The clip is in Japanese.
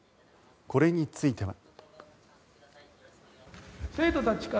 これについては。